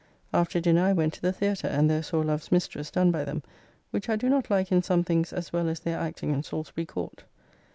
After dinner I went to the theatre, and there saw "Love's Mistress" done by them, which I do not like in some things as well as their acting in Salsbury Court.